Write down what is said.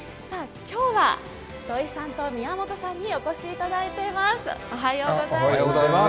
今日は土居さんと宮本さんにお越しいただいています。